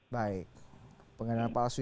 baik penggandaan palsu